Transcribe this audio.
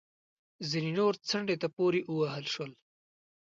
ځینې نور څنډې ته پورې ووهل شول